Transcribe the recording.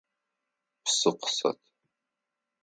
Псы къысэт!